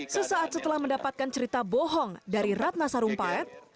sesaat setelah mendapatkan cerita bohong dari ratna sarumpait